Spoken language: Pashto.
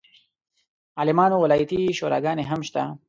عالمانو ولایتي شوراګانې هم شته.